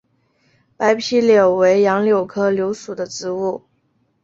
白皮柳为杨柳科柳属的植物。